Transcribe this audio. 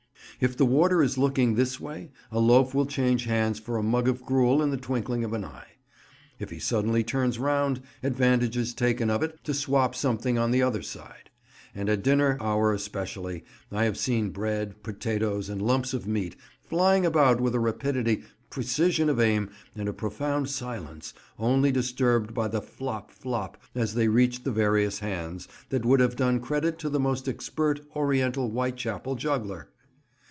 If the warder is looking this way, a loaf will change hands for a mug of gruel in the twinkling of an eye; if he suddenly turns round, advantage is taken of it to swap something on the other side; and at dinner hour especially, I have seen bread, potatoes, and lumps of meat flying about with a rapidity, precision of aim, and a profound silence, only disturbed by the "flop, flop," as they reached the various hands, that would have done credit to the most expert Oriental Whitechapel juggler.